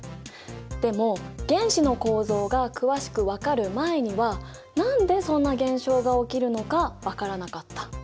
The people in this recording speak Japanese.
でも原子の構造が詳しく分かる前には何でそんな現象が起きるのか分からなかった。